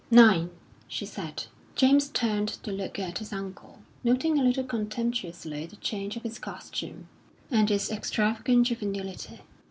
"Nine!" she said. James turned to look at his uncle, noting a little contemptuously the change of his costume, and its extravagant juvenility.